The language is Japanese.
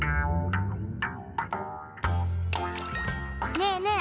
ねえねえ